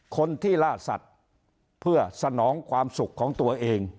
คนที่ล่าสัตว์เพื่อสนองความสุขของตัวเอง